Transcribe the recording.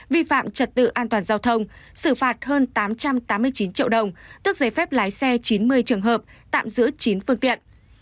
vi phạm trật tự an toàn giao thông xử phạt hơn tám trăm tám mươi chín triệu đồng tức giấy phép lái xe chín mươi trường hợp tạm giữ chín phương tiện